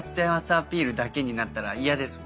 アピールだけになったら嫌ですもんね。